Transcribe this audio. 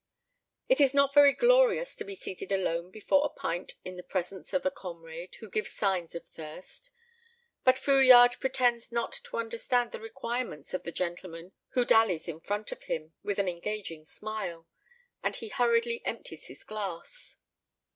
It is not very glorious to be seated alone before a pint in the presence of a comrade who gives signs of thirst. But Fouillade pretends not to understand the requirements of the gentleman who dallies in front of him with an engaging smile, and he hurriedly empties his glass.